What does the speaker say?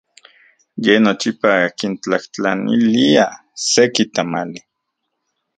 Ye nochipa kintlajtlanilia seki tamali.